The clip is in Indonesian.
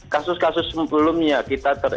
kasus kasus sebelumnya kita